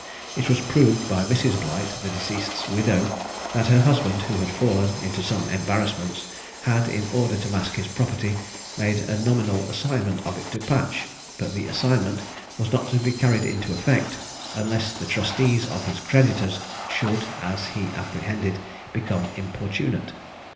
It was proved by Mrs. Blight, the deceased's widow, that her husband, who had fallen into some embarrassments, had, in order to mask his property, made a nominal assignment of it to Patch; but the assignment was not to be carried into effect, unless the trustees of his creditors should, as he apprehended, become importunate.